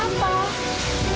kamu tuh bener bener